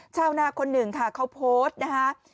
ชาวนาคนหนึ่งค่ะเขาโพสต์นะคะ